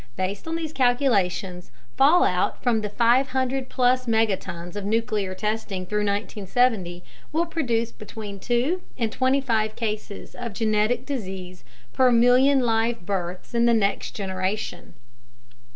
Based on these calculations, fallout from the 500 plus megatons of nuclear testing through 1970 will produce between 2 and 25 cases of genetic disease per million live births in the next generation.